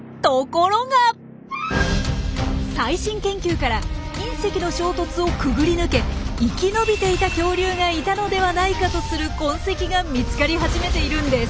最新研究から隕石の衝突をくぐり抜け生き延びていた恐竜がいたのではないかとする痕跡が見つかり始めているんです。